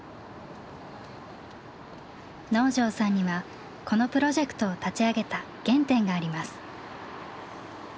能條さんにはこのプロジェクトを立ち上げた原点があります。